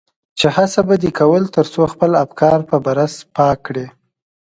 چې هڅه به دې کول تر څو خپل افکار په برس پاک کړي.